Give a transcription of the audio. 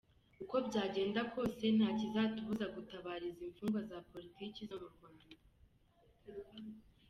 Uko byagenda kose nta kizatubuza gutabariza imfungwa za politiki zo mu Rwanda.